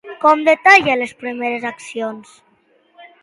Com detalla les primeres accions?